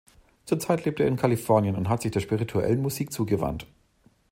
Zurzeit lebt er in Kalifornien und hat sich der spirituellen Musik zugewandt.